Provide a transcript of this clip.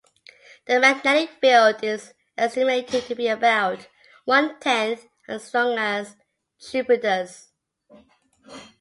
The magnetic field is estimated to be about one tenth as strong as Jupiter's.